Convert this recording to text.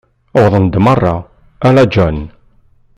Wwḍen-d merra, ala John.